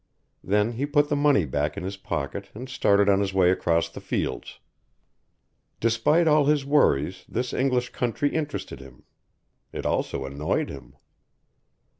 Then he put the money back in his pocket and started on his way across the fields. Despite all his worries this English country interested him, it also annoyed him.